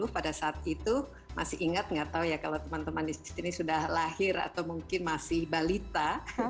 pada saat itu masih ingat nggak tahu ya kalau teman teman di sini sudah lahir atau mungkin masih balita